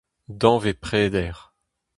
Danvez preder.